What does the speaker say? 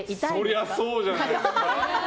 そりゃそうじゃないですか？